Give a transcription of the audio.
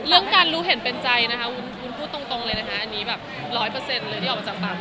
เรื่องการรู้เห็นเป็นใจนะคะอะนี่แบบ๑๐๐เดี๋ยวออกมาจากต่าง